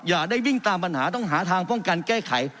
อย่าได้วิ่งตามปัญหาต้องหาทางป้องกันแก้ไข